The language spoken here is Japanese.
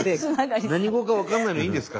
何語か分かんないのはいいんですか？